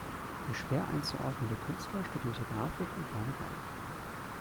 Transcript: Der schwer einzuordnende Künstler studierte Grafik und Malerei.